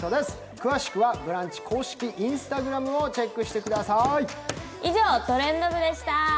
詳しくは「ブランチ」公式Ｉｎｓｔａｇｒａｍをチェックしてください。